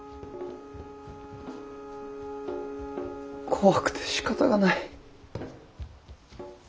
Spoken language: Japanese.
怖くてしかたがない。